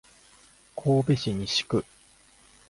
神戸市西区